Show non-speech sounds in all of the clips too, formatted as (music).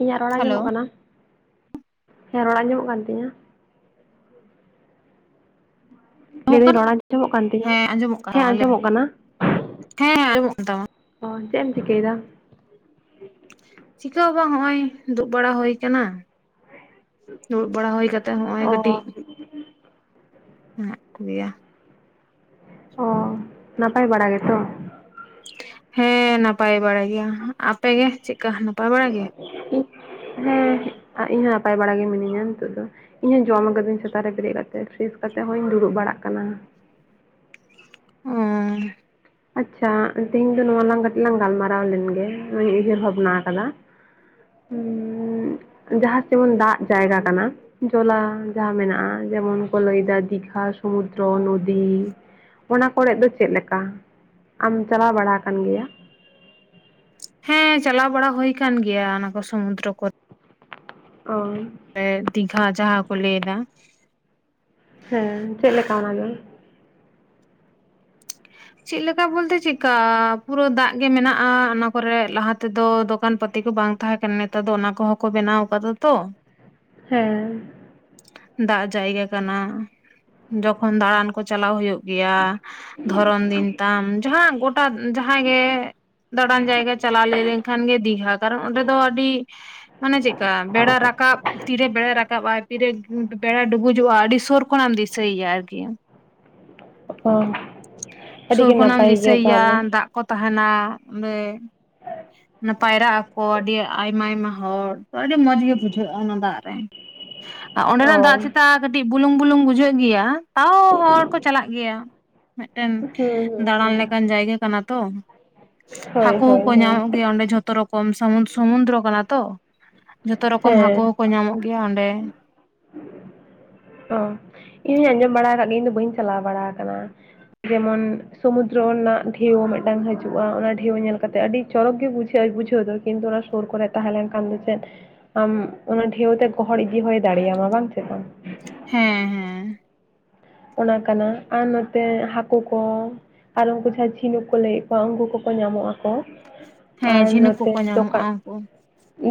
ᱤᱧᱟᱹᱜ ᱨᱚᱲᱟ ᱦᱮᱞᱳ ᱟᱸᱡᱚᱢᱚᱜ ᱠᱟᱱᱟ ᱾ ᱦᱮᱸ, ᱨᱚᱲ ᱟᱡᱸᱚᱢᱚᱜ ᱠᱟᱱ ᱛᱤᱧᱟᱹ ᱾ ᱞᱟᱹᱭ ᱟᱸᱡᱚᱢᱚᱜ ᱮᱫᱟᱹᱧ ᱠᱟᱱᱟ ᱨᱚᱲ ᱟᱸᱡᱚᱢᱚᱜ ᱠᱟᱱ ᱛᱤᱧᱟᱹ? ᱦᱮᱸ ᱟᱸᱡᱚᱢᱚᱜ ᱠᱟᱱᱟ ᱦᱮᱸ ᱞᱟᱹᱭ ᱢᱮ ᱟᱸᱡᱚᱢᱚᱜ ᱠᱟᱱᱟ ᱦᱮᱸ ᱟᱸᱡᱚᱢᱚᱜ ᱠᱟᱱ ᱛᱟᱢᱟ ᱾ ᱚ ᱪᱮᱫ ᱮᱢ ᱪᱤᱠᱟᱹᱭ ᱮᱫᱟ? ᱪᱤᱠᱟ ᱦᱚᱸ ᱵᱟᱝ ᱦᱟᱸᱜ ᱱᱚᱜᱼᱚᱭ ᱫᱩᱲᱩᱵ ᱵᱟᱲᱟ ᱦᱩᱭ ᱟᱠᱟᱱᱟ ᱾ ᱫᱩᱲᱩᱵ ᱵᱟᱲᱟ ᱦᱩᱭ ᱠᱟᱛᱮ ᱦᱚᱸᱜᱼᱚᱭ ᱚ ᱠᱟᱹᱴᱤᱡ ᱦᱮᱱᱟᱜ ᱠᱚ ᱜᱮᱭᱟ ᱾ ᱚ ᱱᱟᱯᱟᱭ ᱵᱟᱲᱟ ᱜᱮᱛᱚ? ᱦᱮᱸ, ᱱᱟᱯᱟᱭ ᱵᱟᱲᱟᱭ ᱜᱮᱭᱟ ᱾ ᱟᱯᱮ ᱜᱮ ᱪᱮᱫᱞᱮᱠᱟ ᱱᱟᱯᱟᱭ ᱵᱟᱲᱟ ᱜᱮ? ᱤ ᱦᱩᱸ ᱤᱧ ᱦᱚᱸ ᱱᱟᱯᱟᱭ ᱵᱟᱲᱟ ᱜᱮ ᱢᱤᱱᱟᱹᱧᱟ ᱱᱤᱛᱚᱜ ᱫᱚ ᱾ ᱤᱧ ᱦᱚᱸ ᱡᱚᱢ ᱟᱠᱟᱹᱫᱟᱹᱧ ᱥᱮᱛᱟᱜ ᱨᱮ ᱵᱮᱨᱮᱫ ᱠᱟᱛᱮ ᱯᱷᱨᱮᱥ ᱠᱟᱛᱮ ᱦᱚᱸᱜᱼᱚᱭ ᱤᱧ ᱫᱩᱲᱩᱵ ᱵᱟᱲᱟ ᱠᱟᱱᱟ ᱾ ᱚᱸ ᱟᱪᱪᱷᱟ ᱛᱮᱦᱮᱧ ᱫᱚ ᱱᱚᱣᱟ ᱞᱟᱝ ᱠᱟᱹᱴᱤᱡ ᱞᱟᱝ ᱜᱟᱞᱢᱟᱨᱟᱣ ᱞᱮᱱᱜᱮ ᱱᱚᱣᱟᱧ ᱩᱭᱦᱟᱹᱨ ᱵᱷᱟᱵᱱᱟ ᱟᱠᱟᱫᱟ ᱡᱟᱦᱟᱸ ᱡᱮᱢᱚᱱ ᱫᱟᱜ ᱡᱟᱭᱜᱟ ᱠᱟᱱᱟ ᱡᱚᱞᱟ ᱡᱟᱦᱟᱸ ᱢᱮᱱᱟᱜᱼᱟ ᱡᱮᱢᱚᱱ ᱠᱚ ᱞᱟᱹᱭ ᱮᱫᱟ ᱫᱤᱜᱷᱟ ᱥᱚᱢᱩᱫᱨᱚ ᱱᱚᱫᱤ ᱚᱱᱟ ᱠᱚᱨᱮᱫ ᱫᱚ ᱪᱮᱫ ᱞᱮᱠᱟ ᱟᱢ ᱪᱟᱞᱟᱣ ᱵᱟᱲᱟ ᱟᱠᱟᱱ ᱜᱮᱭᱟ ᱦᱮᱸ ᱪᱟᱞᱟᱣ ᱵᱟᱲᱟ ᱦᱩᱭ ᱠᱟᱱᱟᱱ ᱜᱮᱭᱟ ᱚᱱᱟ ᱠᱚ ᱥᱚᱢᱩᱫᱨᱚ ᱠᱚᱨᱮ ᱚ ᱫᱤᱜᱷᱟ ᱡᱟᱦᱟᱸ ᱠᱚ ᱞᱟᱹᱭ ᱮᱫᱟ ᱦᱮᱸ ᱪᱮᱫ ᱞᱮᱠᱟ ᱚᱱᱟ ᱫᱚ (unintelligible) ᱪᱮᱫᱮᱠᱟ ᱵᱚᱞᱛᱮ ᱪᱮᱫᱠᱟ ᱯᱩᱨᱟᱹ ᱫᱟᱜ ᱜᱮ ᱢᱮᱱᱟᱜᱼᱟ ᱚᱱᱟ ᱠᱚᱨᱮ ᱞᱟᱦᱟ ᱛᱮᱫᱚ ᱫᱚᱠᱟᱱ ᱯᱟᱛᱤ ᱵᱟᱝ ᱛᱟᱦᱮᱸ ᱠᱟᱱᱟ ᱱᱮᱛᱟᱨ ᱫᱚ ᱚᱱᱟ ᱠᱚᱦᱚᱸ ᱠᱚ ᱵᱮᱱᱟᱣ ᱟᱠᱟᱫᱟ ᱛᱚ ᱦᱮᱸ ᱫᱟᱜ ᱡᱟᱭᱜᱟ ᱠᱟᱱᱟ ᱡᱚᱠᱷᱚᱱ ᱫᱟᱬᱟᱱ ᱠᱚ ᱪᱟᱞᱟᱣ ᱦᱩᱭᱩᱜ ᱜᱮᱭᱟ ᱩᱱᱫᱤᱱ ᱛᱟᱢ ᱡᱟᱦᱟᱸ ᱜᱚᱴᱟ ᱡᱟᱦᱟᱸᱭ ᱜᱮ ᱫᱟᱬᱟᱱ ᱡᱟᱭᱜᱟ ᱪᱟᱞᱟᱣ ᱞᱟᱹᱭ ᱞᱮᱱᱠᱷᱟᱱ ᱜᱮ ᱫᱤᱜᱷᱟ ᱠᱟᱨᱚᱱ ᱚᱸᱰᱮ ᱫᱚ ᱟᱹᱰᱤ ᱢᱟᱱᱮ ᱪᱮᱫᱞᱮᱠᱟ ᱵᱮᱲᱟ ᱨᱟᱠᱟᱵ ᱛᱤᱨᱮ ᱵᱮᱲᱟ ᱨᱟᱠᱟᱵᱼᱟ ᱛᱤᱨᱮ ᱵᱮᱲᱟ ᱰᱩᱵᱩᱡᱚᱜᱼᱟ ᱟᱹᱰᱤ ᱥᱩᱨ ᱠᱷᱚᱱᱟᱜ ᱮᱢ ᱫᱤᱥᱟᱹ ᱭᱮᱭᱟ ᱟᱨᱠᱤ ᱚ ᱟᱹᱰᱤ ᱥᱩᱨ ᱜᱮ ᱠᱷᱚᱱᱟᱜ ᱮᱢ ᱱᱟᱯᱟᱭ ᱜᱮᱭᱟ ᱫᱤᱥᱟᱹᱭᱮᱭᱟ ᱛᱟᱦᱚᱞᱮ ᱫᱟᱜ ᱠᱚ ᱛᱟᱦᱮᱱᱟ ᱚᱸᱰᱮ ᱯᱟᱭᱨᱟᱜ ᱟᱠᱚ ᱟᱹᱰᱤ ᱟᱭᱢᱟ ᱟᱭᱢᱟ ᱦᱚᱲ ᱟᱹᱰᱤ ᱢᱚᱸᱡᱽ ᱜᱮ ᱵᱩᱡᱷᱟᱹᱜᱼᱟ ᱚᱱᱟ ᱫᱟᱜ ᱨᱮ (unintelligible) ᱚᱸᱰᱮᱵᱟᱜ ᱫᱟᱜ ᱪᱮᱛᱟ ᱠᱟᱹᱴᱤᱡ ᱵᱩᱞᱩᱝ ᱵᱩᱞᱩᱝ ᱵᱩᱡᱷᱟᱹᱜ ᱜᱮᱭᱟ ᱛᱟᱣ ᱦᱚᱲ ᱠᱚ ᱪᱟᱞᱟᱜ ᱜᱮᱭᱟ ᱢᱤᱫᱴᱮᱱ ᱦᱩᱸ ᱦᱩᱸ ᱫᱟᱲᱟᱱ ᱦᱩᱸ ᱞᱮᱠᱟᱱ ᱡᱟᱭᱜᱟ ᱠᱟᱱᱟ ᱛᱚ ᱦᱳᱭ ᱦᱟᱹᱠᱚ ᱦᱳᱭ ᱠᱚᱠᱚ ᱦᱳᱭ ᱧᱟᱢᱚᱜ ᱜᱮᱭᱟ ᱚᱸᱰᱮ ᱡᱷᱚᱛᱚ ᱡᱚᱛᱚ ᱨᱚᱠᱚᱢ ᱥᱚᱢᱩᱫᱨᱚ ᱠᱟᱱᱟ ᱛᱚ ᱡᱷᱚᱛᱚ ᱨᱚᱠᱚᱢ ᱦᱮᱸ ᱦᱟᱹᱠᱩ ᱦᱚᱸᱠᱚ ᱧᱟᱢᱚᱜ ᱜᱮᱭᱟ ᱚᱸᱰᱮ ᱛᱚ ᱚ ᱤᱧᱦᱚᱧ ᱟᱸᱡᱚᱢ ᱵᱟᱲᱟ ᱟᱠᱟᱫ ᱜᱮᱭᱟ ᱤᱧ ᱫᱚ ᱵᱟᱹᱧ ᱪᱟᱞᱟᱣ ᱵᱟᱲᱟ ᱟᱠᱟᱱᱟ ᱡᱮᱢᱚᱱ ᱥᱩᱢᱩᱫᱨᱚ ᱨᱮᱱᱟᱜ ᱰᱷᱮᱣ ᱢᱤᱫᱴᱟᱝ ᱦᱤᱡᱩᱜᱼᱟ ᱚᱱᱟ ᱰᱷᱮᱣ ᱧᱮᱞ ᱠᱟᱛᱮᱜ ᱟᱹᱰᱤ ᱪᱚᱨᱚᱠ ᱜᱮ ᱵᱩᱡᱷᱟᱜᱼᱟ ᱵᱩᱡᱟᱹᱣ ᱫᱚ ᱠᱤᱱᱛᱩ ᱚᱱᱟ ᱥᱩᱨ ᱠᱚᱨᱮ ᱛᱟᱦᱮᱸᱞᱮᱱ ᱠᱷᱟᱱ ᱫᱚ ᱪᱮᱫ ᱟᱢ ᱚᱱᱟ ᱰᱷᱮᱣ ᱛᱮ ᱜᱚᱦᱚᱲ ᱤᱫᱤ ᱦᱚᱭ ᱫᱟᱲᱮᱭᱟᱢᱟ ᱵᱟᱝ ᱥᱮ ᱵᱟᱝ ᱦᱮᱸ ᱦᱮᱸ ᱚᱱᱟ ᱠᱟᱱᱟ ᱟᱨ ᱱᱚᱛᱮ ᱦᱟᱹᱠᱩ ᱠᱚ ᱟᱨ ᱩᱱᱠᱩ ᱡᱟᱦᱟᱸᱭ ᱡᱷᱤᱱᱩᱠ ᱠᱚ ᱞᱟᱹᱭᱮᱫ ᱠᱚᱣᱟ ᱩᱱᱠᱩ ᱠᱚᱠᱚ ᱧᱟᱢᱚᱜ ᱟᱠᱚ ᱦᱮᱸ ᱟᱨ ᱡᱷᱤᱱᱩᱠ ᱱᱚᱛᱮ ᱠᱚᱠᱚ ᱧᱟᱢᱚᱜᱼᱟ ᱫᱚᱠᱟᱱ ᱩᱱᱠᱩ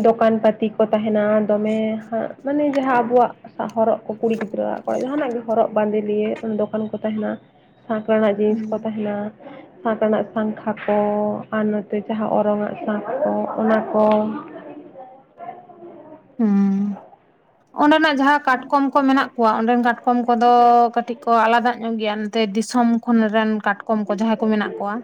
ᱫᱚᱠᱟᱱ ᱯᱟᱹᱛᱤ ᱠᱚ ᱛᱟᱦᱮᱱᱟ ᱫᱚᱢᱮ ᱦᱟᱸᱜ ᱢᱟᱱᱮ ᱡᱟᱦᱟᱸ ᱟᱵᱚᱣᱟᱜ ᱦᱚᱨᱚᱜ ᱠᱚ ᱠᱩᱲᱤ ᱜᱤᱫᱽᱨᱟᱹᱣᱟᱜ ᱠᱚᱲᱟ ᱜᱤᱫᱽᱨᱟᱹ ᱡᱟᱦᱱᱟᱜ ᱜᱮ ᱦᱚᱨᱚᱜ ᱵᱟᱸᱫᱮ ᱞᱤᱭᱮ ᱫᱚᱠᱟᱱ ᱠᱚ ᱛᱟᱦᱮᱱᱟ ᱥᱟᱸᱠ ᱨᱮᱱᱟᱜ ᱡᱤᱱᱤᱥ ᱠᱚ ᱛᱟᱦᱮᱱᱟ ᱥᱟᱸᱠ ᱨᱮᱱᱟᱜ ᱥᱟᱠᱷᱟ ᱠᱚ ᱟᱨ ᱱᱚᱛᱮ ᱡᱟᱦᱟᱸ ᱚᱨᱚᱝ ᱟᱜ ᱥᱟᱸᱠ ᱠᱚ ᱚᱱᱟ ᱠᱚ ᱦᱮᱸ ᱚᱸᱰᱮᱱᱟᱜ ᱡᱟᱦᱟᱸ ᱠᱟᱴᱠᱚᱢ ᱠᱚ ᱢᱮᱱᱟᱜ ᱠᱚᱣᱟ ᱚᱸᱰᱮᱱ ᱠᱟᱴᱠᱚᱢ ᱠᱚᱫᱚ ᱠᱟᱹᱴᱤᱡ ᱠᱚ ᱟᱞᱟᱫᱟ ᱧᱚᱜ ᱜᱮᱭᱟ ᱱᱚᱛᱮ ᱫᱤᱥᱚᱢ ᱠᱷᱚᱱ ᱨᱮᱱ ᱠᱟᱴᱚᱢ ᱠᱚᱢ ᱠᱚ ᱡᱟᱦᱟᱸᱭ ᱠᱚ ᱢᱮᱱᱟᱜ ᱠᱚᱣᱟ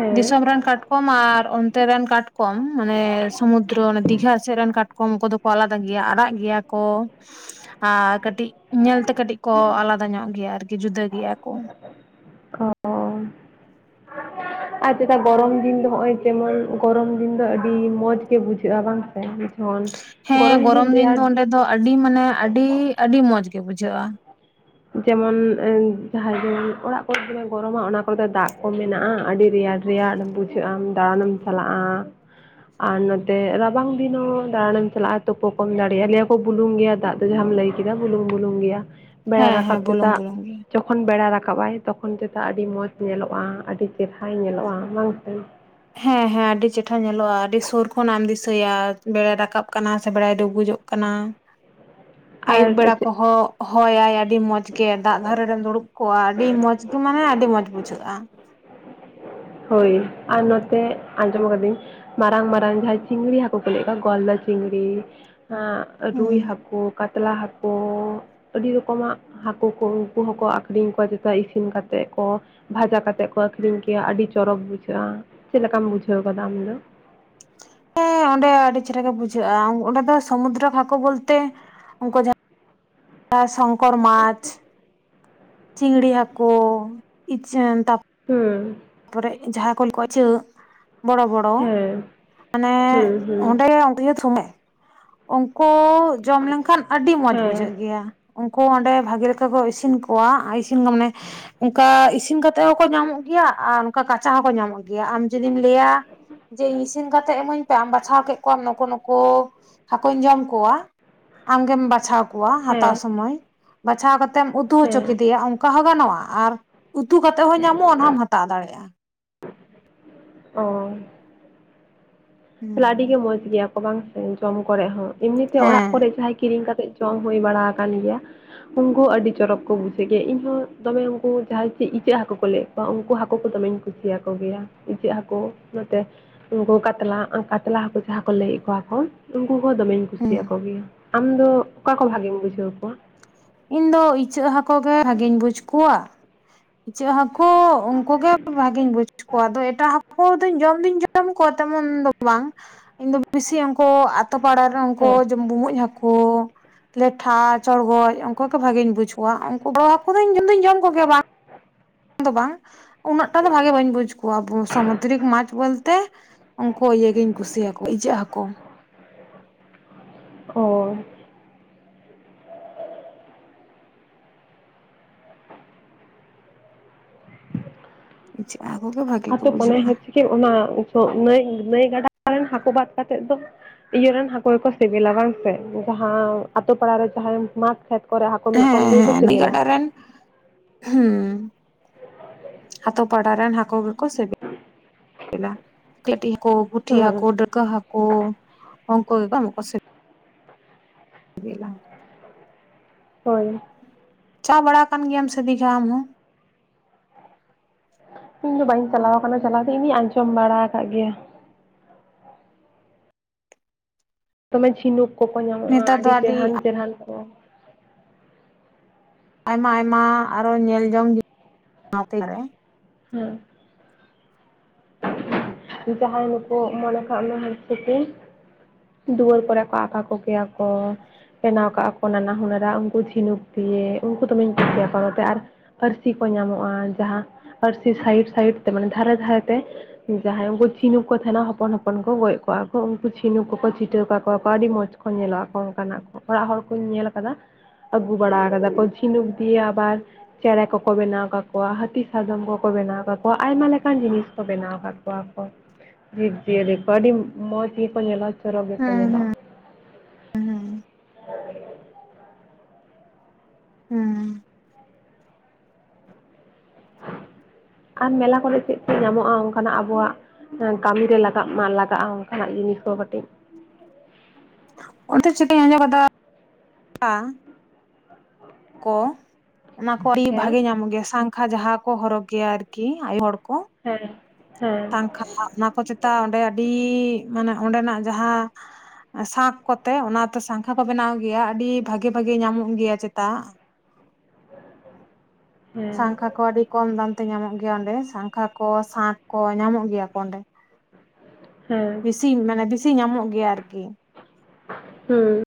ᱦᱮᱸ ᱫᱤᱥᱚᱢ ᱨᱮᱱ ᱠᱟᱴᱠᱚᱢ ᱠᱟᱴᱠᱚᱢ ᱟᱨ ᱚᱱᱛᱮ ᱨᱮᱱ ᱠᱟᱴᱠᱚᱢ ᱢᱟᱱᱮ ᱥᱚᱢᱩᱫᱨᱚ ᱚᱱᱮ ᱫᱤᱜᱷᱟ ᱥᱮᱫ ᱨᱮᱱ ᱠᱟᱴᱠᱚᱢ ᱠᱚᱫᱚ ᱟᱞᱟᱫᱟ ᱜᱮᱭᱟ ᱟᱨᱟᱜ ᱜᱮᱭᱟ ᱠᱚ ᱟᱨ ᱠᱟᱹᱴᱤᱡ ᱧᱮᱞ ᱛᱮ ᱠᱟᱹᱴᱤᱡ ᱠᱚ ᱟᱞᱟᱫᱟ ᱧᱚᱜ ᱜᱮᱭᱟ ᱟᱨᱠᱤ ᱡᱩᱫᱟᱹ ᱜᱮᱭᱟ ᱠᱚ ᱦᱚ (unintelligible) ᱟᱨ ᱪᱮᱫᱟᱜ ᱜᱚᱨᱚᱢ ᱫᱤᱱ ᱫᱚ ᱱᱚᱜᱼᱚᱭ ᱡᱮᱢᱚᱱ ᱜᱚᱨᱚᱢ ᱫᱤᱱ ᱫᱚ ᱟᱹᱰᱤ ᱢᱚᱸᱡᱽ ᱜᱮ ᱵᱩᱡᱷᱟᱹᱜᱼᱟ ᱵᱟᱝ ᱥᱮ ᱚᱱ ᱜᱚᱨᱚᱢ ᱦᱮᱸ ᱫᱤᱱ ᱨᱮᱭᱟᱲ ᱫᱚ ᱚᱸᱰᱮ ᱫᱤᱱ ᱫᱚ ᱟᱹᱰᱤ ᱢᱟᱱᱮ ᱟᱹᱰᱤ ᱟᱹᱰᱤ ᱢᱚᱡᱽ ᱜᱮ ᱵᱩᱡᱷᱟᱹᱜᱼᱟ᱾ ᱡᱮᱢᱚᱱ ᱡᱟᱦᱟᱸᱭ ᱫᱚ ᱚᱲᱟᱜ ᱠᱚᱨᱮ ᱫᱚᱢᱮ ᱜᱚᱨᱚᱢᱟ ᱚᱱᱟ ᱠᱚᱨᱮ ᱫᱚ ᱫᱟᱜ ᱠᱚ ᱢᱮᱱᱟᱜᱼᱟ ᱟᱹᱰᱤ ᱨᱮᱭᱟᱲ ᱨᱮᱭᱟᱲ ᱵᱩᱡᱷᱟᱹᱜ ᱟᱢ ᱫᱟᱬᱟᱱᱮᱢ ᱪᱟᱞᱟᱜᱼᱟ, ᱟᱨ ᱱᱚᱛᱮ ᱨᱟᱵᱟᱝ ᱫᱤᱱ ᱦᱚᱸ ᱫᱟᱬᱟᱱᱮᱢ ᱪᱟᱞᱟᱜᱼᱟ ᱛᱩᱯᱳ ᱠᱚᱢ ᱫᱟᱲᱮᱭᱟᱜᱼᱟ ᱞᱮᱭᱟ ᱠᱚ ᱵᱩᱞᱩᱝ ᱜᱮᱭᱟ ᱫᱟᱜ᱾ ᱡᱟᱦᱟᱢ ᱞᱟᱹᱭ ᱠᱮᱫᱟ ᱵᱩᱞᱩᱝ ᱵᱩᱞᱩᱝ ᱜᱮᱭᱟ ᱵᱮᱲᱟ ᱦᱮᱸ ᱨᱟᱠᱟᱵ ᱦᱮᱸ ᱵᱩᱞᱩᱝ ᱪᱮᱫᱟᱜ ᱵᱩᱞᱩᱝ ᱜᱮ ᱡᱚᱠᱷᱚᱱ ᱵᱮᱲᱟ ᱨᱟᱠᱟᱵᱟᱭ ᱛᱚᱠᱷᱚᱱ ᱪᱮᱫᱟᱜ ᱟᱹᱰᱤ ᱢᱚᱡᱽ ᱧᱮᱞᱚᱜᱼᱟ ᱟᱹᱰᱤ ᱪᱮᱨᱦᱟᱭ ᱧᱮᱞᱚᱜᱼᱟ ᱵᱟᱝ ᱥᱮ᱾ ᱦᱮᱸ ᱦᱮᱸ ᱟᱹᱰᱤ ᱪᱮᱴᱷᱟ ᱧᱮᱞᱚᱜᱼᱟ ᱟᱹᱰᱤ ᱥᱩᱨ ᱠᱷᱚᱱᱟᱜ ᱮᱢ ᱫᱤᱥᱟᱹᱭᱟ ᱵᱮᱲᱟᱭ ᱨᱟᱠᱟᱵ ᱠᱟᱱᱟ ᱥᱮ ᱵᱮᱲᱟᱭ ᱰᱩᱵᱩᱡᱚᱜ ᱠᱟᱱᱟ᱾ ᱠᱟᱱᱟ᱾ (unintelligible) ᱟᱭᱩᱵ ᱵᱮᱲᱟ ᱠᱚᱦᱚᱸ ᱦᱚᱭᱟᱭ ᱟᱹᱰᱤ ᱢᱚᱸᱡᱽ ᱜᱮ ᱫᱟᱜ ᱫᱷᱟᱨᱮ ᱨᱮᱢ ᱫᱩᱲᱩᱵ ᱠᱚᱣᱟ ᱟᱹᱰᱤ ᱢᱚᱸᱡᱽ ᱜᱮ ᱢᱟᱱᱮ ᱟᱹᱰᱤ ᱢᱚᱸᱡᱽ ᱵᱩᱡᱷᱟᱹᱜᱼᱟ ᱦᱳᱭ ᱟᱨ ᱱᱚᱛᱮ ᱟᱸᱡᱚᱢ ᱠᱟᱹᱫᱟᱹᱧ ᱢᱟᱨᱟᱝ ᱢᱟᱨᱟᱝ ᱡᱟᱦᱟᱸᱭ ᱪᱤᱝᱲᱤ ᱦᱟᱹᱠᱩ ᱠᱚ ᱞᱟᱹᱭᱮᱫ ᱠᱚᱣᱟ ᱜᱚᱞᱫᱟ ᱪᱤᱝᱲᱤ ᱦᱩᱸ ᱨᱩᱭ ᱦᱟᱹᱠᱩ ᱠᱟᱛᱞᱟ ᱦᱟᱹᱠᱩ, ᱟᱹᱰᱤ ᱨᱚᱠᱚᱢᱟᱜ ᱦᱟᱹᱠᱩ ᱠᱚ ᱩᱱᱠᱩ ᱦᱚᱸᱠᱚ ᱟᱠᱷᱨᱤᱧ ᱠᱚᱣᱟ ᱡᱮᱴᱟ ᱤᱥᱤᱱ ᱠᱟᱛᱮᱫ ᱠᱚ ᱵᱷᱟᱡᱟ ᱠᱟᱛᱮᱫ ᱠᱚ ᱟᱠᱷᱨᱤᱧ ᱠᱮᱭᱟ ᱟᱹᱰᱤ ᱪᱚᱨᱚᱠ ᱵᱩᱡᱷᱟᱹᱜᱼᱟ ᱪᱮᱫ ᱞᱮᱠᱟᱢ ᱵᱩᱡᱷᱟᱹᱣ ᱟᱠᱟᱫᱟ ᱟᱢᱫᱚ? ᱦᱮᱸ ᱚᱸᱰᱮ ᱟᱹᱰᱤ ᱪᱮᱦᱨᱟ ᱜᱮ ᱵᱩᱡᱷᱟᱹᱜᱼᱟ ᱚᱸᱰᱮ ᱫᱚ ᱥᱚᱢᱩᱫᱨᱚ ᱦᱟᱹᱠᱩ ᱵᱚᱞᱛᱮ ᱩᱱᱠᱩ ᱡᱟᱦᱟᱸ (unintelligible) ᱥᱚᱝᱠᱚᱨ ᱢᱟᱪ, ᱪᱤᱝᱲᱤ ᱦᱟᱹᱠᱩ ᱤᱪᱟᱹᱝ ᱛᱟᱵ ᱦᱩᱸ ᱛᱟᱯᱚᱨᱮ ᱡᱟᱦᱟᱸ ᱠᱚᱱ ᱠᱚ ᱤᱪᱟᱹ ᱵᱚᱲᱚ ᱵᱚᱲᱚ᱾ ᱦᱮᱞᱳ ᱦᱮᱸ ᱢᱟᱱᱮ ᱦᱩᱸ ᱦᱩᱸ ᱚᱸᱰᱮ ᱚᱰᱤᱳᱥᱚᱢᱮ ᱩᱱᱠᱩ ᱡᱚᱢ ᱞᱮᱱᱠᱷᱟᱱ ᱟᱹᱰᱤ ᱢᱚᱸᱡᱽ ᱦᱮᱸ ᱵᱩᱡᱷᱟᱹᱜ ᱜᱮᱭᱟ᱾ ᱩᱱᱠᱩ ᱚᱸᱰᱮ ᱵᱷᱟᱜᱤ ᱞᱮᱠᱟ ᱠᱚ ᱤᱥᱤᱱ ᱠᱚᱣᱟ ᱤᱥᱤᱱ ᱢᱟᱱᱮ ᱚᱱᱠᱟ ᱤᱥᱤᱱ ᱠᱟᱛᱮᱜ ᱦᱚᱸᱠᱚ ᱧᱟᱢᱚᱜ ᱜᱮᱭᱟ ᱟᱨ ᱚᱱᱠᱟ ᱠᱟᱸᱪᱟ ᱦᱚᱸᱠᱚ ᱧᱟᱢᱚᱜ ᱜᱮᱭᱟ ᱟᱢ ᱡᱩᱫᱤᱢ ᱞᱟᱹᱭᱟ ᱡᱮ ᱤᱧ ᱤᱥᱤᱱ ᱠᱟᱛᱮᱫ ᱮᱢᱟᱹᱧ ᱯᱮ ᱟᱢ ᱵᱟᱪᱷᱟᱣ ᱠᱮᱫ ᱠᱚᱣᱟ ᱱᱩᱠᱩ ᱱᱩᱠᱩ᱾ ᱦᱟᱹᱠᱩᱧ ᱡᱚᱢᱠᱩᱣᱟ ᱟᱢᱜᱮᱢ ᱵᱟᱪᱷᱟᱣ ᱠᱚᱣᱟ ᱦᱟᱛᱟᱣ ᱦᱮᱸ ᱥᱩᱢᱟᱹᱭ, ᱵᱟᱪᱷᱟᱣ ᱠᱟᱛᱮ ᱠᱟᱛᱮᱢ ᱩᱛᱩ ᱦᱚᱪᱚ ᱦᱮᱸ ᱠᱮᱫᱮᱭᱟ ᱚᱱᱠᱟ ᱦᱚᱸ ᱜᱟᱱᱚᱜᱼᱟ ᱟᱨ ᱩᱛᱩ ᱠᱟᱛᱮ ᱦᱚᱸ ᱧᱟᱢᱚᱜᱼᱟ ᱚᱱᱟ ᱦᱚᱢ ᱦᱟᱛᱟᱣ ᱫᱟᱲᱮᱭᱟᱜᱼᱟ᱾ ᱚᱸᱻ ᱛᱟᱦᱚᱞᱮ ᱟᱹᱰᱤ ᱜᱮ ᱢᱚᱸᱡᱽ ᱜᱮᱭᱟ ᱠᱚ ᱵᱟᱝ ᱥᱮ ᱡᱚᱢ ᱠᱚᱨᱮ ᱦᱚᱸ ᱮᱢᱱᱤᱛᱮ ᱚᱲᱟᱜ ᱦᱮᱸ ᱠᱚᱨᱮ ᱡᱟᱦᱟᱸᱭ ᱠᱤᱨᱤᱧ ᱠᱟᱛᱮ ᱡᱚᱢ ᱦᱩᱭ ᱵᱟᱲᱟ ᱟᱠᱟᱱ ᱜᱮᱭᱟ᱾ ᱩᱱᱠᱩ ᱦᱚᱸ ᱟᱹᱰᱤ ᱪᱚᱨᱚᱠ ᱠᱚ ᱵᱩᱡᱷᱟᱹᱜ ᱜᱮᱭᱟ ᱤᱧ ᱦᱚᱸ ᱫᱚᱢᱮ ᱩᱱᱠᱩ ᱡᱟᱦᱟᱸᱭ ᱪᱮᱫ ᱤᱪᱟᱹᱜ ᱦᱟᱹᱠᱩ ᱠᱚ ᱞᱟᱹᱭ ᱩᱱᱠᱩ ᱦᱟᱹᱠᱩ ᱠᱚ ᱫᱚᱢᱮᱧ ᱠᱩᱥᱤᱭᱟᱠᱚ ᱜᱮᱭᱟ, ᱤᱪᱟᱹᱜ ᱦᱟᱹᱠᱩ ᱱᱚᱛᱮ ᱩᱱᱠᱩ ᱠᱟᱛᱞᱟ, ᱠᱟᱛᱞᱟ ᱦᱟᱹᱠᱩ ᱡᱟᱦᱟᱸ ᱠᱚ ᱞᱟᱹᱭᱮᱫ ᱠᱚᱣᱟ ᱠᱚ ᱩᱱᱠᱩ ᱦᱚᱸ ᱫᱚᱢᱮᱧ ᱦᱮᱸ ᱠᱩᱥᱤᱭᱟᱠᱚ ᱜᱮᱭᱟ᱾ ᱟᱢᱫᱚ ᱚᱠᱟ ᱠᱚ ᱵᱷᱟᱜᱮᱢ ᱵᱩᱡᱷᱟᱹᱣ ᱠᱚᱣᱟ? ᱤᱧ ᱫᱚ ᱤᱪᱟᱹᱜ ᱦᱟᱹᱠᱩ ᱜᱮ ᱵᱷᱟᱹᱜᱤᱧ ᱵᱩᱡᱽ ᱠᱚᱣᱟ᱾ ᱤᱪᱟᱹᱜ ᱦᱟᱹᱠᱩ ᱩᱱᱠᱩᱩ ᱜᱮ ᱵᱷᱟᱜᱤᱧ ᱵᱩᱡ ᱠᱚᱣᱟ ᱟᱫᱚ ᱮᱴᱟᱜ ᱦᱟᱹᱠᱩ ᱟᱠᱚ ᱫᱚᱧ ᱡᱚᱢ ᱫᱩᱧ ᱡᱚᱢ ᱠᱚᱣᱟ ᱛᱮᱢᱚᱱ ᱫᱚ ᱵᱟᱝ ᱤᱧ ᱫᱚ ᱵᱤᱥᱤ ᱩᱱᱠᱩ ᱟᱛᱳ ᱯᱟᱲᱟ ᱨᱮ ᱩᱱᱠᱩ ᱦᱮᱸ ᱵᱩᱢᱡ ᱦᱟᱹᱠᱩ, ᱠᱳ ᱞᱮᱴᱷᱟ, ᱪᱚᱲᱜᱚᱡᱽ, ᱩᱱᱠᱩ ᱜᱮ ᱵᱷᱟᱜᱤᱧ ᱵᱩᱡ ᱠᱚᱣᱟ ᱩᱱᱠᱩ ᱵᱚ ᱦᱟᱹᱠᱩ ᱫᱚᱧ ᱡᱚᱢ ᱫᱩᱧ ᱠᱚᱜᱮ ᱵᱟᱝ ᱫᱚ ᱵᱟᱝ ᱩᱱᱟᱹᱜᱴᱟ ᱫᱚ ᱵᱷᱟᱜᱮ ᱵᱟᱹᱧ ᱵᱩᱡᱽ ᱠᱚᱣᱟ ᱟᱵᱚ ᱥᱟᱢᱩᱫᱨᱤᱠ ᱢᱟᱪᱷ ᱵᱚᱞᱛᱮ ᱩᱱᱠᱩ ᱤᱭᱟᱹᱟᱹᱜᱤᱧ ᱠᱩᱥᱤᱭᱟᱠᱚᱣᱟ ᱤᱪᱟᱹᱜ ᱦᱟᱹᱠᱩ᱾ ᱚ ᱤᱪᱟᱹᱜ ᱦᱟᱹᱠᱩ ᱜᱮ ᱵᱷᱟᱹᱜᱤ ᱠᱚ ᱵᱩᱡᱷᱟᱹᱜᱼᱟ᱾ ᱤᱪᱟᱹᱜ ᱚᱱᱟ ᱱᱟᱹᱭ ᱱᱟᱹᱭ ᱜᱟᱰᱟ ᱨᱮᱱ ᱦᱟᱹᱠᱩ ᱵᱟᱫᱽ ᱠᱟᱛᱮᱫ ᱫᱚ ᱤᱭᱟᱹᱨᱮᱱ ᱦᱟᱹᱠᱩᱲ ᱜᱮᱠᱚ ᱥᱤᱵᱤᱞᱟ ᱵᱟᱝ ᱥᱮ? ᱡᱟᱦᱟᱸ ᱟᱛᱳ ᱯᱟᱲᱟᱨ ᱨᱮ ᱡᱟᱦᱟᱸᱭᱢ ᱢᱟᱴ ᱠᱷᱮᱛ ᱠᱚᱨᱮ ᱦᱟᱹᱠᱩ ᱢᱮᱱᱟᱜ ᱠᱚᱣᱟ ᱦᱮᱸ ᱩᱱᱠᱩ ᱜᱮᱠᱚ ᱦᱮᱸ ᱱᱟᱹᱭ ᱥᱤᱵᱤᱞᱟ᱾ ᱜᱟᱰᱟ ᱨᱮᱱ ᱦᱩᱸ ᱟᱛᱳ ᱯᱟᱲᱟ ᱨᱮᱱ ᱦᱟᱹᱠᱩ ᱜᱮᱠᱚ ᱥᱤᱵᱤᱞᱟ᱾ ᱠᱟᱴᱤᱡ ᱦᱟᱠᱳ ᱯᱩᱴᱷᱤ ᱦᱟᱠᱳ ᱦᱮᱸ ᱰᱟᱹᱲᱠᱟᱹ ᱦᱟᱠᱳ ᱩᱱᱠᱩ ᱜᱮᱠᱚ ᱥᱮ ᱵᱮᱞᱟ᱾ ᱦᱳᱭ ᱪᱟ ᱵᱟᱲᱟ ᱠᱟᱱ ᱜᱮᱭᱟᱢ ᱥᱮ ᱫᱤᱜᱷᱟ ᱟᱢᱦᱚᱸ? ᱤᱧ ᱫᱚ ᱵᱟᱹᱧ ᱪᱟᱞᱟᱣ ᱠᱟᱱᱟ ᱪᱟᱞᱟᱣ ᱫᱚ ᱤᱧᱤᱧ ᱟᱸᱡᱚᱢ ᱵᱟᱲᱟ ᱠᱟᱫ ᱜᱮᱭᱟ᱾ ᱫᱚᱢᱮ ᱡᱷᱤᱱᱩᱠ ᱠᱚᱠᱚ ᱧᱟᱢᱚᱜᱼᱟ ᱱᱮᱛᱟᱨ ᱫᱚ ᱟᱹᱰᱤ ᱪᱮᱨᱦᱟᱱ ᱪᱮᱨᱦᱟᱱ ᱠᱚ᱾ ᱟᱭᱢᱟ ᱟᱭᱢᱟ ᱟᱨᱚ ᱧᱮᱞ ᱡᱚᱝ ᱡᱤᱱᱤᱥ (inaudible) ᱨᱮ, ᱦᱮᱸ (unintelligible) ᱡᱟᱦᱟᱸᱭ ᱱᱩᱠᱩ ᱢᱚᱱᱮ ᱠᱟᱜ ᱢᱮ (unintelligible) ᱫᱩᱣᱟᱹᱨ ᱠᱚᱨᱮ ᱠᱚ ᱟᱠᱟ ᱠᱚᱜᱮᱭᱟ ᱠᱚ᱾ ᱵᱮᱱᱟᱣ ᱠᱟᱜᱼᱟ ᱠᱚ ᱱᱟᱱᱟ ᱦᱩᱱᱟᱹᱨ ᱩᱱᱠᱩ ᱡᱷᱤᱱᱩᱠ ᱫᱤᱭᱮ ᱩᱱᱠᱩ ᱫᱚᱢᱮᱧ ᱠᱩᱥᱤᱭᱟᱠᱚᱣᱟ, ᱱᱚᱛᱮ ᱟᱨ ᱟᱹᱨᱥᱤ ᱠᱚ ᱧᱟᱢᱚᱜᱼᱟ ᱡᱟᱦᱟᱸ ᱟᱹᱨᱥᱤ ᱥᱟᱭᱤᱰ ᱥᱟᱭᱤᱰ ᱛᱮ ᱢᱟᱱᱮ ᱫᱷᱟᱨᱮ ᱫᱷᱟᱨᱮ ᱛᱮ ᱡᱟᱦᱟᱸᱭ ᱩᱱᱠᱩ ᱪᱷᱤᱱᱩᱠ ᱠᱚ ᱛᱟᱸᱦᱮᱱᱟ ᱦᱚᱯᱚᱱ ᱦᱚᱯᱚᱱ ᱠᱚ ᱜᱚᱡ ᱠᱚᱣᱟ ᱠᱚ ᱩᱱᱠᱩ ᱪᱷᱤᱱᱩ ᱠᱚᱠᱚ ᱪᱷᱤᱴᱟᱹᱣ ᱠᱟᱠᱚᱣᱟ ᱠᱚ ᱟᱹᱰᱤ ᱢᱚᱡᱽ ᱠᱚ ᱧᱮᱞᱚᱜ ᱟᱠᱚ ᱚᱱᱠᱟᱱᱟᱜ ᱠᱚ ᱚᱲᱟᱜ ᱦᱚᱲ ᱠᱚᱧ ᱧᱮᱞ ᱠᱟᱫᱟ, ᱟᱹᱜᱩ ᱵᱟᱲᱟ ᱠᱟᱫᱟ ᱠᱚ ᱪᱷᱤᱱᱩᱠ ᱫᱤᱭᱮ ᱟᱵᱟᱨ ᱪᱮᱬᱮ ᱠᱚᱠᱚ ᱵᱮᱱᱟᱣ ᱠᱟᱠᱚᱣᱟ, ᱦᱟᱹᱛᱤ ᱥᱟᱫᱚᱢ ᱠᱚᱠᱚ ᱵᱮᱱᱟᱣ ᱠᱟᱠᱚᱣᱟ, ᱟᱭᱢᱟ ᱞᱮᱠᱟᱱ ᱡᱤᱱᱤᱥ ᱵᱮᱱᱟᱣ ᱠᱟᱜ ᱠᱚᱣᱟ ᱠᱚ ᱡᱤᱵᱽ ᱡᱤᱭᱟᱹᱞᱤ ᱠᱚ ᱟᱹᱰᱤ ᱢᱚᱡᱽ ᱜᱮᱠᱚ ᱧᱮᱞᱚᱜᱼᱟ᱾ ᱪᱚᱨᱚᱠ ᱜᱮᱠᱚ ᱦᱩᱸ ᱧᱮᱞᱚᱜᱼᱟ᱾ ᱦᱩᱸ ᱦᱩᱸ (inaudible) ᱦᱩᱸ ᱟᱨ ᱢᱮᱞᱟ ᱠᱚᱨᱮ ᱪᱮᱫ ᱪᱮᱫ ᱧᱟᱢᱚᱜᱼᱟ ᱚᱱᱠᱟᱱᱟᱜ ᱟᱵᱚᱣᱟᱜ? ᱠᱟᱹᱢᱤ ᱨᱮ ᱞᱟᱜᱟᱜ ᱢᱟ ᱞᱟᱜᱟᱜᱼᱟ ᱚᱱᱠᱟᱱᱟᱜ ᱡᱤᱱᱤᱥ ᱠᱚ ᱠᱟᱹᱴᱤᱡ᱾ ᱚᱱᱛᱮ ᱪᱤᱠᱟᱹᱧ (unintelligible) ᱟ ᱠᱚ ᱚᱱᱟ ᱠᱚ ᱟᱹᱰᱤ ᱦᱮᱸ ᱵᱷᱟᱜᱮ ᱧᱟᱢᱚᱜ ᱜᱮᱭᱟ ᱥᱟᱠᱷᱟ ᱡᱟᱦᱟᱸ ᱠᱚ ᱦᱚᱨᱚᱜᱽ ᱜᱮᱭᱟ ᱟᱨᱠᱤ ᱟᱭᱳ ᱦᱚᱲ ᱠᱚ, ᱦᱮᱸ ᱦᱮᱸ (unintelligible) ᱚᱱᱟ ᱠᱚ ᱪᱮᱛᱟ ᱚᱸᱰᱮ ᱟᱹᱰᱤ ᱢᱟᱱᱮ ᱚᱸᱰᱮᱱᱟᱜ ᱡᱟᱦᱟᱸ ᱥᱟᱸᱠ ᱠᱚᱛᱮ ᱚᱱᱟ ᱛᱮ ᱥᱟᱸᱝᱠᱷᱟ ᱠᱚ ᱵᱮᱱᱟᱣ ᱜᱮᱭᱟ ᱟᱹᱰᱤ ᱵᱷᱟᱹᱜᱤ-ᱵᱷᱟᱹᱜᱤ ᱧᱟᱢᱚᱜ ᱜᱮᱭᱟ ᱪᱮᱛᱟ ᱦᱮᱸ ᱥᱟᱝᱠᱷᱟ ᱠᱚ ᱟᱹᱰᱤ ᱠᱚᱢ ᱫᱟᱢ ᱛᱮ ᱧᱟᱢᱚᱜ ᱜᱮᱭᱟ ᱚᱸᱰᱮ ᱥᱟᱸᱝᱠᱷᱟ ᱠᱚ ᱥᱟᱸᱠ ᱠᱚ ᱧᱟᱢᱚᱜ ᱜᱮᱭᱟ ᱠᱚ ᱚᱸᱰᱮ ᱦᱮᱸ ᱪᱤᱜ ᱤᱧ ᱢᱮᱱᱟ ᱵᱮᱥᱤ ᱧᱟᱢᱚᱜ ᱜᱮᱭᱟ ᱟᱨᱠᱤ (inaudible) ᱦᱩᱸ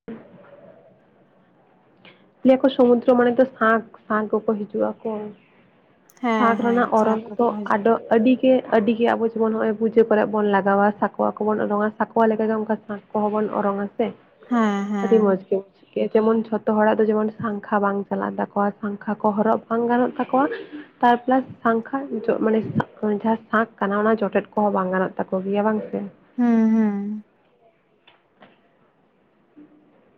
ᱞᱟᱹᱭ ᱟᱠᱚ ᱥᱚᱢᱩᱫᱨᱚ ᱢᱟᱱᱮ ᱫᱚ ᱥᱟᱸᱠ ᱥᱟᱸᱠ ᱠᱚᱠᱚ ᱦᱤᱡᱩᱜ ᱟᱠᱚ ᱦᱮᱸ ᱥᱟᱸᱠ ᱦᱮᱸ ᱨᱮᱱᱟᱜ ᱥᱟᱸᱠ ᱚᱨᱚᱝ ᱫᱚ ᱠᱚᱠᱚ ᱦᱤᱡᱩᱜ ᱟᱫᱚᱜ ᱟᱹᱰᱤ ᱜᱮ ᱟᱹᱰᱤ ᱜᱮ ᱟᱵᱚ ᱡᱮᱢᱚᱱ ᱦᱚᱜᱼᱚᱸᱭ ᱯᱩᱡᱟᱹ ᱠᱚᱨᱮ ᱵᱚᱱ ᱞᱟᱜᱟᱣᱟ ᱥᱟᱠᱣᱟ ᱠᱚᱵᱚᱱ ᱚᱨᱚᱝᱼᱟ ᱥᱟᱠᱚᱣᱟ ᱞᱮᱠᱟ ᱜᱮ ᱚᱱᱠᱟ (unintelligible) ᱠᱚᱦᱚᱸ ᱵᱚᱱ ᱚᱨᱚᱝᱼᱟ ᱥᱮ ᱦᱮᱸ ᱟᱹᱰᱤ ᱦᱮᱸ ᱢᱚᱡᱽ ᱜᱮ (unintelligible) ᱡᱮᱢᱚᱱ ᱡᱷᱚᱛᱚ ᱦᱚᱲᱟᱜ ᱡᱮᱢᱚᱱ ᱥᱟᱸᱝᱠᱷᱟ ᱵᱟᱝ ᱪᱟᱞᱟᱜ ᱛᱟᱠᱚᱣᱟ ᱥᱟᱸᱝᱠᱷᱟ ᱠᱚ ᱦᱚᱨᱚᱜ ᱵᱟᱝ ᱜᱟᱱᱚᱜ ᱛᱟᱠᱚᱣᱟ ᱛᱟᱨᱯᱞᱟᱥ ᱥᱟᱸᱝᱠᱷᱟ ᱡᱚᱜ ᱢᱟᱱᱮ (unintelligible) ᱡᱟᱦᱟᱸ ᱥᱟᱸᱠ ᱠᱟᱱᱟ ᱚᱱᱟ ᱡᱚᱴᱮᱫ ᱠᱚᱦᱚᱸ ᱵᱟᱝ ᱜᱟᱱᱚᱜ ᱛᱟᱠᱚ ᱜᱮᱭᱟ ᱵᱟᱝ ᱥᱮ ᱦᱮᱸ ᱦᱮᱸ (inaudible)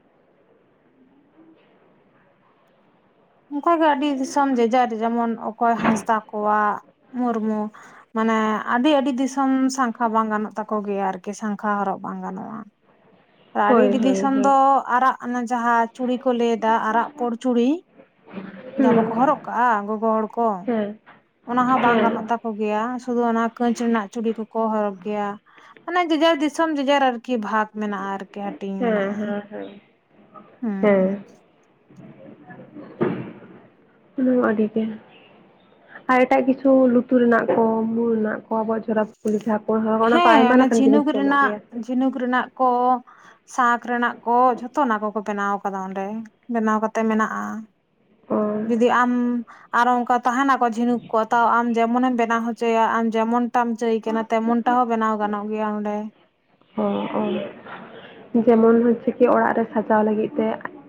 ᱚᱱᱠᱟ ᱜᱮ ᱟᱹᱰᱤ ᱫᱤᱥᱚᱢ ᱡᱮᱡᱟᱨ ᱡᱮᱢᱚᱱ ᱚᱠᱚᱭ ᱦᱟᱸᱥᱫᱟ ᱠᱚᱣᱟᱜ ᱢᱩᱨᱢᱩ ᱢᱟᱱᱮ ᱟᱹᱰᱤ ᱟᱹᱰᱤ ᱫᱤᱥᱚᱢ ᱥᱟᱸᱝᱠᱷᱟ ᱵᱟᱝ ᱜᱟᱱᱚᱜ ᱛᱟᱠᱚ ᱜᱮᱭᱟ ᱟᱨᱠᱤ ᱥᱟᱸᱝᱠᱷᱟ ᱦᱚᱨᱚᱜ ᱵᱟᱝ ᱜᱟᱱᱚᱜᱼᱟ (inaudible) ᱟᱹᱰᱤ ᱟᱹᱰᱤ ᱦᱳᱭ ᱫᱤᱥᱚᱢ ᱦᱳᱭ ᱫᱚ ᱟᱨᱟᱜ ᱚᱱᱟ ᱡᱟᱦᱟᱸ ᱪᱩᱲᱤ ᱠᱚ ᱞᱟᱹᱭ ᱮᱫᱟ ᱟᱨᱟᱜ ᱯᱩᱸᱰ ᱪᱩᱲᱤ ᱡᱟᱦᱟᱸ ᱵᱟᱠᱚ ᱦᱩᱸ ᱦᱚᱨᱚᱜ ᱠᱟᱜᱼᱟ ᱜᱚᱜᱚ ᱦᱚᱲ ᱠᱚ ᱦᱮᱸ ᱚᱱᱟ ᱦᱚᱸ ᱵᱟᱝ ᱦᱮᱸ ᱜᱟᱱᱚᱜ ᱛᱟᱠᱚ ᱜᱮᱭᱟ ᱥᱩᱫᱷᱩ ᱚᱱᱟ ᱠᱟᱹᱪ ᱨᱮᱱᱟᱜ ᱪᱩᱲᱤ ᱠᱚᱠᱚ ᱦᱚᱨᱚᱜᱽ ᱜᱮᱭᱟ ᱢᱟᱱᱮ ᱡᱮᱡᱟᱨ ᱫᱤᱥᱚᱢ ᱡᱮᱡᱟᱨ ᱟᱨᱠᱤ ᱵᱷᱟᱜᱽ ᱢᱮᱱᱟᱜᱼᱟ ᱟᱨᱠᱤ ᱦᱟᱹᱴᱤᱧ ᱦᱮᱸ ᱢᱮᱱᱟᱜᱼᱟ ᱦᱮᱸ ᱦᱮᱸ ᱦᱩᱸ ᱦᱮᱸ (inaudible) (inaudible) ᱚᱱᱟᱢᱟ ᱟᱹᱰᱤ ᱜᱮ ᱟᱨ ᱮᱴᱟᱜ ᱠᱤᱪᱷᱩ ᱞᱩᱛᱩᱨ ᱨᱮᱱᱟᱜ ᱠᱚ ᱢᱩ ᱨᱮᱱᱟᱜ ᱠᱚ ᱟᱵᱚᱣᱟᱜ (unintelligible) ᱠᱩᱞᱤ ᱡᱟᱦᱟᱸ ᱠᱚᱦᱚᱸ ᱚᱱᱟ ᱠᱚ ᱦᱮᱸ ᱟᱭᱢᱟ ᱞᱮᱠᱟᱱ ᱡᱤᱱᱤᱥ ᱡᱷᱤᱱᱩᱠ ᱧᱟᱢᱚᱜ ᱨᱮᱱᱟᱜ ᱜᱮᱭᱟ ᱥᱮ (unintelligible) ᱨᱮᱱᱟᱜ (unintelligible) ᱥᱟᱸᱠ ᱨᱮᱱᱟᱜ ᱠᱚ ᱡᱷᱚᱛᱚ ᱚᱱᱟ ᱠᱚᱠᱚ ᱵᱮᱱᱟᱣ ᱟᱠᱟᱫᱟ ᱚᱸᱰᱮ ᱵᱮᱱᱟᱣ ᱠᱟᱛᱮ ᱢᱮᱱᱟᱜᱼᱟ ᱚ (inaudible) ᱡᱩᱫᱤ ᱟᱢ ᱟᱨᱚ ᱚᱱᱠᱟ ᱛᱟᱦᱮᱱᱟᱠᱚ ᱡᱷᱤᱱᱩᱠ ᱠᱚ ᱛᱟᱣ ᱟᱢ ᱡᱮᱢᱚᱱᱮ ᱮᱢ ᱵᱮᱱᱟᱣ ᱦᱚᱪᱚᱭᱟ ᱟᱢ ᱡᱮᱢᱚᱱ ᱴᱟᱢ ᱪᱟᱹᱭ ᱠᱟᱱᱟ ᱛᱮᱢᱚᱱ ᱦᱚᱸ ᱜᱟᱱᱚᱜ ᱜᱮᱭᱟ ᱚᱸᱰᱮ (unintelligible) ᱡᱮᱢᱚᱱ ᱦᱚᱪᱪᱷᱮ ᱠᱤ ᱚᱲᱟᱜ ᱨᱮ ᱥᱟᱡᱟᱣ ᱞᱟᱹᱜᱤᱫ ᱛᱮ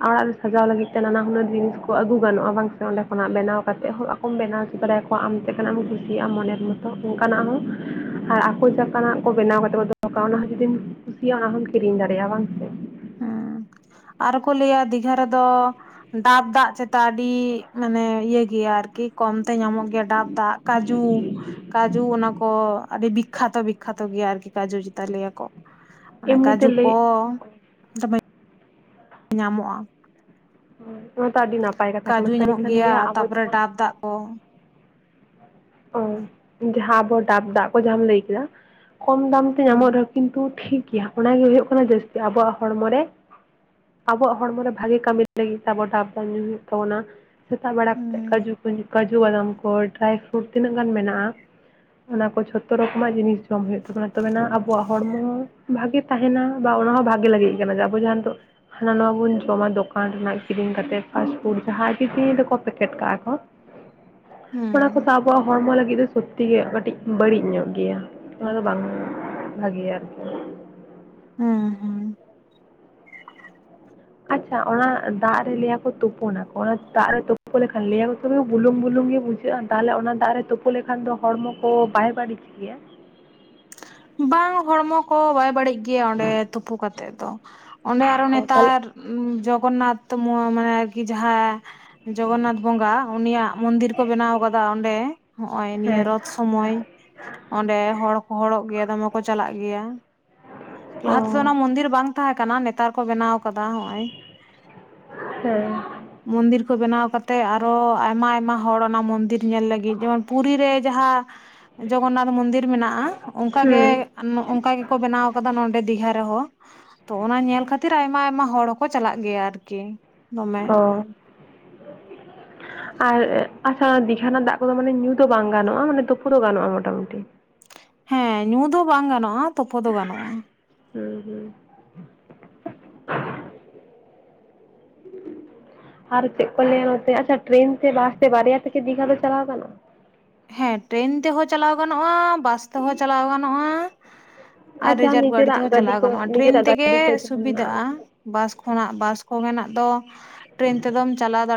ᱚᱲᱟᱜ ᱨᱮ ᱥᱟᱡᱟᱣ ᱞᱟᱹᱜᱤᱫ ᱛᱮ ᱱᱟᱱᱟᱦᱩᱱᱟᱹᱨ ᱡᱤᱱᱤᱥ (unintelligible) ᱠᱚ ᱟᱹᱜᱩ ᱜᱟᱱᱚᱜᱼᱟ ᱵᱟᱝ ᱥᱮ ᱚᱸᱰᱮ ᱠᱷᱚᱱᱟᱜ ᱵᱮᱱᱟᱣ ᱠᱟ ᱠᱟᱛᱮ ᱦᱚᱸ ᱟᱠᱚᱢ ᱵᱮᱱᱟᱣᱪᱚ ᱫᱮᱭᱟᱠᱚᱣᱟ ᱟᱢ ᱪᱮᱫ ᱞᱮᱠᱟᱠᱟᱱᱟᱜ ᱮᱢ ᱠᱩᱥᱤᱭᱟᱜᱼᱟ ᱢᱚᱱᱮᱨ ᱢᱚᱛᱚ ᱚᱱᱠᱟᱱᱟᱜ ᱦᱚᱸ ᱟᱨ ᱟᱠᱚ ᱪᱮᱫ ᱞᱮᱠᱟᱱᱟᱜ ᱠᱚ ᱵᱮᱱᱟᱣ ᱠᱟᱛᱮ (unintelligible) ᱚᱱᱟ ᱦᱚᱸ ᱡᱩᱫᱤᱢ ᱠᱩᱥᱤᱭᱟ ᱚᱱᱟ ᱦᱚᱢ ᱠᱤᱨᱤᱧ ᱫᱟᱲᱮᱭᱟᱜᱼᱟ ᱵᱟᱝ ᱥᱮ ᱟᱨ ᱠᱚ ᱞᱟᱹᱭᱟ ᱫᱤᱜᱷᱟ ᱨᱮᱫᱚ ᱰᱟᱵ ᱫᱟᱜ ᱪᱮᱛᱟ ᱟᱹᱰᱤ ᱢᱟᱱᱮ ᱤᱭᱟᱹ ᱜᱮᱭᱟ ᱟᱨᱠᱤ ᱠᱚᱢᱛᱮ ᱧᱟᱢᱚᱜ ᱜᱮᱭᱟ ᱰᱟᱵ ᱫᱟᱜ ᱠᱟᱹᱡᱩ ᱠᱟᱹᱡᱩ ᱚᱱᱟ ᱠᱚ ᱟᱹᱰᱤ ᱵᱤᱠᱠᱷᱟᱛᱚ ᱵᱤᱠᱠᱷᱟᱛᱚ ᱜᱮᱭᱟ ᱟᱨᱠᱤ ᱠᱟᱹᱡᱩ ᱪᱮᱛᱟ ᱞᱟᱹᱭᱟ ᱠᱚ ᱢᱟᱱᱮ ᱮᱢᱱᱤᱛᱮ ᱠᱟᱹᱡᱩ ᱞᱟᱹᱭ ᱠᱚ (unintelligible) ᱧᱟᱢᱚᱜᱼᱟ (unintelligible) ᱚᱱᱟ ᱛᱚ ᱟᱹᱰᱤ ᱱᱟᱯᱟᱭ ᱠᱟᱛᱷᱟ ᱠᱟᱱᱟ ᱠᱟᱡᱩ ᱥᱟᱹᱨᱤ ᱧᱟᱢᱚᱜ ᱠᱷᱟᱱ ᱜᱮᱭᱟ ᱜᱮ ᱦᱟᱸᱜ ᱟᱵᱚ ᱛᱟᱯᱚᱨᱮ ᱡᱟᱦᱟᱸ ᱰᱟᱵ ᱫᱟᱜ ᱠᱚ ᱚ ᱡᱟᱦᱟᱸ ᱟᱵᱚ ᱰᱟᱵ ᱫᱟᱜ ᱠᱚ ᱡᱟᱦᱟᱢ ᱞᱟᱹᱭ ᱠᱮᱫᱟ ᱠᱚᱢ ᱫᱟᱢ ᱛᱮ ᱦᱩᱸ ᱧᱟᱢᱚᱜ ᱨᱮᱦᱚᱸ ᱠᱤᱱᱛᱩ ᱴᱷᱤᱠ ᱜᱮᱭᱟ ᱚᱱᱟᱜᱮ ᱦᱩᱭᱩᱜ ᱠᱟᱱᱟ ᱡᱟᱹᱥᱛᱤ ᱟᱵᱚᱣᱟᱜ ᱦᱚᱲᱢᱚ ᱨᱮ ᱟᱵᱚᱣᱟᱜ ᱦᱚᱲᱢᱚ ᱨᱮ ᱵᱷᱟᱜᱮ ᱠᱟᱹᱢᱤ ᱞᱟᱹᱜᱤᱫ ᱛᱮ ᱟᱵᱚ ᱰᱟᱵ ᱫᱟᱜ ᱧᱩ ᱦᱩᱭᱩᱜ ᱛᱟᱵᱚᱱᱟ ᱥᱮᱛᱟᱜ ᱵᱮᱲᱟᱠᱚᱛᱮ ᱦᱩᱸ ᱠᱟᱹᱡᱩ (unintelligible) ᱠᱟᱹᱡᱩ ᱵᱟᱫᱟᱢ ᱠᱚ ᱰᱨᱟᱭ ᱯᱷᱨᱩᱴ ᱛᱤᱱᱟᱹᱜ ᱜᱟᱱ ᱢᱮᱱᱟᱜᱼᱟ ᱚᱱᱟ ᱠᱚ ᱡᱷᱚᱛᱚ ᱨᱚᱠᱚᱢᱟᱜ ᱡᱤᱱᱤᱥ ᱡᱚᱢ ᱦᱩᱭᱩᱜ ᱛᱟᱵᱚᱱᱟ ᱛᱚᱵᱮᱱᱟ ᱟᱵᱚᱣᱟᱜ ᱦᱚᱲᱢᱚ ᱵᱷᱟᱹᱜᱤ ᱛᱟᱦᱮᱱᱟ ᱵᱟ ᱚᱱᱟ ᱦᱚᱸ ᱵᱷᱟᱜᱮ ᱞᱟᱹᱜᱤᱫᱟᱜ ᱠᱟᱱᱟ ᱟᱵᱚ ᱡᱟᱦᱟᱸᱚ ᱱᱤᱛᱚᱜ ᱦᱟᱱᱟ ᱱᱟ ᱵᱚᱱ ᱡᱚᱢᱟ ᱫᱚᱠᱟᱱ ᱨᱮᱱᱟᱜ ᱠᱤᱨᱤᱧ ᱠᱟᱛᱮᱫ ᱯᱷᱟᱥᱴᱯᱷᱩᱰ ᱡᱟᱦᱟᱸ ᱠᱤᱨᱤᱧ ᱫᱚᱠᱚ ᱯᱮᱠᱮᱴ ᱠᱟᱜᱼᱟ ᱠᱚ ᱦᱩᱸ ᱯᱟᱣ ᱵᱣᱟ ᱦᱚᱲᱢ ᱞᱟᱹᱜᱤᱫᱤ ᱫᱚ ᱠᱷᱚᱛᱤ ᱜᱮ ᱠᱟᱹᱴᱤᱡ ᱵᱟᱹᱲᱤᱡ ᱧᱚᱜ ᱜᱮᱭᱟ ᱚᱱᱟ ᱫᱚ ᱵᱟᱝ ᱵᱷᱟᱜᱮᱭᱟ ᱟᱨᱠᱤ ᱦᱮᱸᱮᱸ ᱟᱪᱷᱟ ᱚᱱᱟ ᱫᱟᱜ ᱨᱮ ᱞᱟᱹᱭᱟ ᱠᱚ ᱛᱩᱯᱩᱱᱟᱠᱚ ᱚᱱᱟ ᱫᱟᱜ ᱨᱮ ᱛᱩᱯᱩ ᱞᱮᱠᱷᱟᱱ ᱞᱟᱹᱭᱟᱠᱚ ᱵᱩᱞᱩᱝ ᱵᱩᱞᱩᱝ ᱜᱮ ᱵᱩᱡᱷᱟᱹᱜᱼᱟ ᱛᱟᱦᱚᱞᱮ ᱚᱱᱟ ᱫᱟᱜ ᱨᱮ ᱛᱩᱯᱩ ᱞᱮᱠᱷᱟᱱ ᱫᱚ ᱦᱚᱲᱢᱚ ᱠᱚ ᱵᱟᱭ ᱵᱟᱹᱲᱤᱡ ᱜᱮᱭᱟ ᱵᱟᱝ ᱦᱚᱲᱢᱚ ᱠᱚ ᱵᱟᱭ ᱵᱟᱹᱲᱤᱡ ᱜᱮᱭᱟ ᱚᱸᱰᱮ ᱛᱩᱯᱩ ᱠᱟᱛᱮᱜ ᱫᱚ ᱚᱸᱰᱮ ᱟᱨᱚ ᱚ ᱛᱟᱦᱚᱞᱮ ᱱᱮᱛᱟᱨ ᱡᱠᱷᱚᱱᱟᱛ ᱛᱚ ᱢ ᱢᱟᱱᱮ ᱟᱨᱠᱤ ᱡᱟᱦᱟᱸ ᱡᱚᱜᱚᱱᱱᱟᱛᱷ ᱵᱚᱸᱜᱟ ᱩᱱᱤᱭᱟᱜ ᱢᱚᱱᱫᱤᱨ ᱠᱚ ᱵᱮᱱᱟᱣ ᱟᱠᱟᱫᱟ ᱚᱸᱰᱮ ᱱᱚᱜ ᱚᱭ ᱱᱤᱭᱟᱹ ᱦᱮᱸ ᱨᱚᱛ ᱥᱢᱚᱭ ᱚᱸᱰᱮ ᱦᱚᱲ ᱠᱚ ᱦᱚᱲᱚᱜ ᱜᱮᱭᱟ ᱫᱚᱢᱮ ᱠᱚ ᱪᱟᱞᱟᱜ ᱜᱮᱭᱟ ᱚ ᱞᱟᱦᱟ ᱛᱮᱫᱚ ᱚᱱᱟ ᱢᱚᱱᱫᱤᱨ ᱵᱟᱝ ᱛᱟᱦᱮᱸ ᱠᱟᱱᱟ ᱱᱮᱛᱟᱨ ᱠᱚ ᱵᱮᱱᱟᱣ ᱟᱠᱟᱱᱟ ᱠᱟᱫᱟ ᱦᱚᱸᱜᱼᱚᱭ ᱦᱮᱸ ᱢᱚᱱᱫᱤᱨ ᱠᱚ ᱵᱮᱱᱟᱣ ᱠᱟᱛᱮᱜ ᱟᱨᱚ ᱟᱭᱢᱟ ᱟᱭᱢᱟ ᱦᱚᱲ ᱚᱱᱟ ᱢᱚᱱᱫᱤᱨ ᱧᱮᱞ ᱞᱟᱹᱜᱤᱫ ᱡᱮᱢᱚᱱ ᱯᱩᱨᱤ ᱨᱮ ᱡᱟᱦᱟᱸ ᱡᱚᱜᱚᱱᱱᱟᱛᱷ ᱢᱚᱱᱫᱤᱨ ᱢᱮᱱᱟᱜᱼᱟ ᱚᱱᱠᱟ ᱜᱮ ᱦᱩᱸ ᱟᱨ ᱱᱚ ᱝᱠᱟ ᱜᱮᱠᱚ ᱵᱮᱱᱟᱣ ᱱᱚᱰᱮ ᱫᱤᱜᱷᱟ ᱨᱮᱦᱚᱸ ᱛᱚ ᱚᱱᱟ ᱧᱮᱞ ᱠᱷᱟᱹᱛᱤᱨ ᱟᱭᱢᱟ ᱟᱭᱢᱟ ᱦᱚᱲ ᱦᱚᱸᱠᱚ ᱪᱟᱞᱟᱜ ᱜᱮᱭᱟ ᱟᱨᱠᱤ ᱫᱚᱢᱮ ᱚ ᱟᱨ ᱟᱪᱷᱟ ᱚᱱᱟ ᱫᱤᱜᱷᱟ ᱨᱮᱱᱟᱜ ᱫᱟᱜ ᱠᱚᱫᱚ ᱢᱟᱱᱮ ᱧᱩ ᱫᱚ ᱵᱟᱝ ᱜᱟᱱᱚᱜᱼᱟ ᱢᱟᱱᱮ ᱛᱩᱯᱩ ᱫᱚ ᱜᱟᱱᱚᱜᱼᱟ ᱢᱚᱴᱟᱢᱩᱴᱤ ᱦᱮᱸ ᱧᱩ ᱫᱚ ᱵᱟᱝ ᱜᱟᱱᱚᱜᱼᱟ ᱛᱚᱯᱚ ᱫᱚ ᱜᱟᱱᱚᱜᱼᱟ ᱦᱩᱸ ᱦᱩᱸ ᱟᱨ ᱪᱮᱫ ᱠᱚ ᱞᱟᱹᱭᱟ ᱱᱚᱛ ᱟᱪᱷᱟ ᱴᱨᱮᱱ ᱛᱮ ᱵᱟᱥ ᱛᱮ ᱵᱟᱨᱭᱟ ᱛᱮᱠᱮ ᱫᱤᱜᱷᱟ ᱫᱚ ᱪᱟᱞᱟᱣ ᱠᱟᱱᱟ ᱦᱮᱸ ᱴᱨᱮᱱ ᱛᱮᱦᱚᱸ ᱪᱟᱞᱟᱣ ᱜᱟᱱᱚᱜᱼᱟ ᱵᱟᱥ ᱛᱮᱦᱚᱸ ᱪᱟᱞᱟᱣ ᱜᱟᱱᱚᱜᱼᱟ ᱟᱨ ᱡᱟᱦᱟᱸ ᱨᱤᱡᱟᱨᱵᱷ ᱜᱟᱹᱰᱤ ᱱᱤᱡᱮᱨᱟᱜ ᱛᱮᱦᱚᱸ ᱪᱟᱞᱟᱣ ᱠᱚ ᱜᱟᱱᱚᱜᱼᱟ ᱴᱨᱮᱹᱱ ᱱᱤᱡᱮᱨᱟᱜ ᱛᱮᱜᱮ ᱜᱟᱹᱰᱤ ᱠᱚ ᱡᱟᱦᱟᱸ ᱥᱩᱵᱤᱫᱷᱟᱜᱼᱟ ᱢᱮᱱᱟᱜᱼᱟ ᱵᱟᱥ ᱠᱷᱚᱱᱟᱜ ᱵᱟᱥ ᱠᱚᱮᱱᱟᱜ ᱫᱚ ᱴᱨᱮᱹᱱ ᱛᱮᱫᱚᱢ ᱪᱟᱞᱟᱣ ᱫᱟ